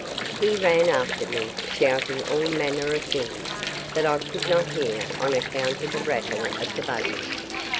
He ran after me shouting all manner of things that I could not hear on account of the rattle of the buggy.